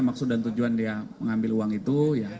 maksud dan tujuan dia mengambil uang itu